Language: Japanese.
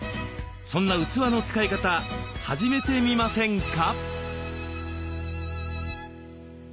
そんな器の使い方始めてみませんか？